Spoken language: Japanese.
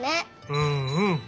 うんうん！